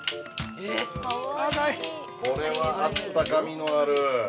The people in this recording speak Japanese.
◆これはあったか味のある。